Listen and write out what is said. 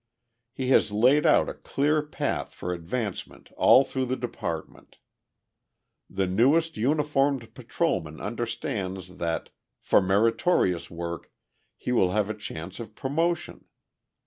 He has laid out a clear path for advancement all through the department. The newest uniformed patrolman understands that, for meritorious work, he will have a chance of promotion.